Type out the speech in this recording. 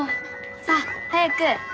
さぁ早く。